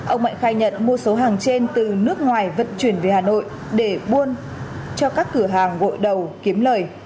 ông mạnh khai nhận mua số hàng trên từ nước ngoài vận chuyển về hà nội để buôn cho các cửa hàng gội đầu kiếm lời